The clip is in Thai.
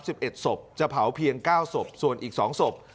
สิบเอ็ดศพจะเผาเพียงเก้าศพส่วนอีกสองศพ